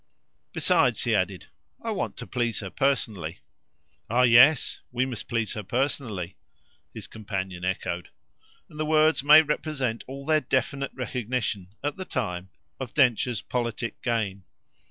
Besides," he added, "I want to please her personally." "Ah yes, we must please her personally!" his companion echoed; and the words may represent all their definite recognition, at the time, of Densher's politic gain.